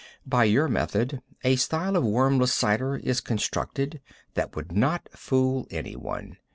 By your method, a style of wormless cider is constructed that would not fool anyone.